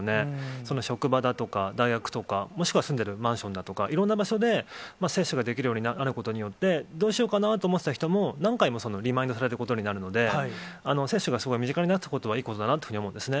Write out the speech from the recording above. その職場だとか、大学とか、もしくは住んでるマンションだとか、いろんな場所で接種ができるようになることによって、どうしようかなと思ってた人も、何回もリマインドされることになるので、接種がすごく身近になったことはいいことだなというふうに思うんですね。